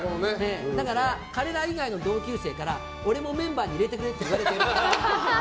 だから、彼ら以外の同級生から俺もメンバーに入れてくれって言われてるっぽい。